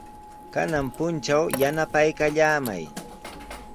Kanan puntraw yanapaykallamay.